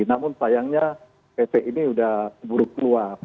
namun sayangnya pp ini sudah buruk keluar